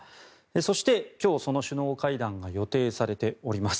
そして今日、その首脳会談が予定されております。